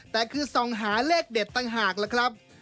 แต่คือส่องหาเลขเด็ดต่างหากล่ะครับ